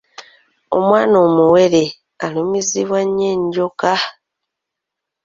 Omwana omuwere alumizibwa nnyo enjooka.